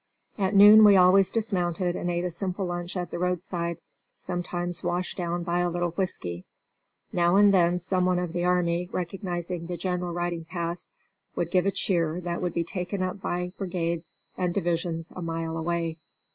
At noon we always dismounted and ate a simple lunch at the roadside, sometimes washed down by a little whisky. Now and then some one of the army, recognizing the General riding past, would give a cheer that would be taken up by brigades and divisions a mile away.